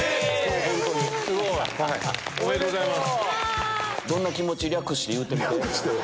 おめでとうございます。